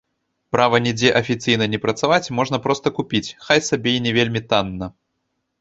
Права нідзе афіцыйна не працаваць можна проста купіць, хай сабе і не вельмі танна.